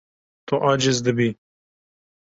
Tu aciz dibî.